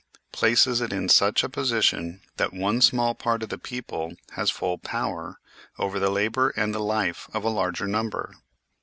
places it in such a position that one small part of the people has full power over the labour and the life of a larger number.